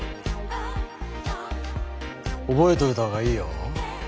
覚えといた方がいいよ。